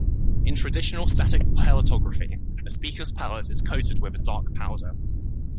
In traditional, static palatography, a speaker's palate is coated with a dark powder.